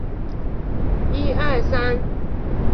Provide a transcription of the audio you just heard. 记者麦康瑞产生寒蝉效应。